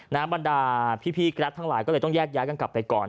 บรรดาพี่แกรปทั้งหลายก็เลยต้องแยกย้ายกันกลับไปก่อน